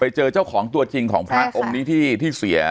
เจอเจ้าของตัวจริงของพระองค์นี้ที่เสีย